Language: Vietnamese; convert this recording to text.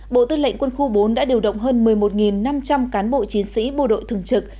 bộ tư lệnh quân khu bốn đã điều động hơn một mươi một năm trăm linh cán bộ chiến sĩ bộ đội thường trực